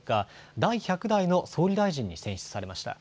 第１００代の総理大臣に選出されました。